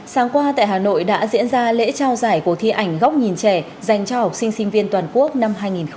sáng qua tại hà nội đã diễn ra lễ trao giải cuộc thi ảnh góc nhìn trẻ dành cho học sinh sinh viên toàn quốc năm hai nghìn hai mươi